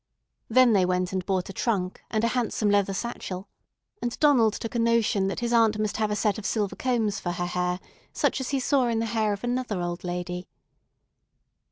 Then they went and bought a trunk and a handsome leather satchel, and Donald took a notion that his aunt must have a set of silver combs for her hair such as he saw in the hair of another old lady.